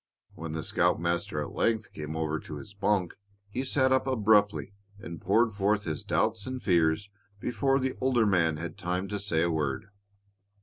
When the scoutmaster at length came over to his bunk he sat up abruptly and poured forth his doubts and fears before the older man had time to say a word.